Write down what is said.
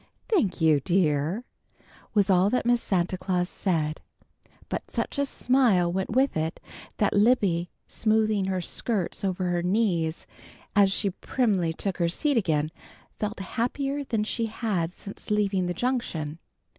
"Thank you, dear," was all that Miss Santa Claus said, but such a smile went with it, that Libby, smoothing her skirts over her knees as she primly took her seat again, felt happier than she had since leaving the Junction.